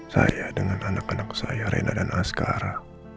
saya dengan anak anak saya rena dan askara